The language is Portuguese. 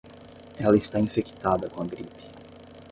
Ela está infectada com a gripe.